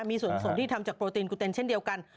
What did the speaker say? มีส่วนผสมที่ทำจากโปรตีนกูเต็นเช่นเดียวกัน